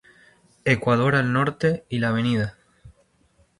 Ecuador al Norte y la Av.